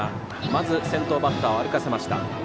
まず先頭バッターを歩かせました。